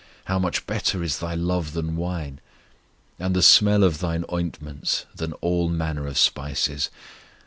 How much better is thy love than wine! And the smell of thine ointments than all manner of spices!